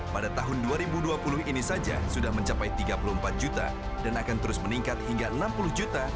pada tahun dua ribu dua puluh ini saja sudah mencapai tiga puluh empat juta dan akan terus meningkat hingga enam puluh juta